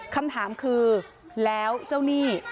คำถามคือแล้วเจ้าหนี้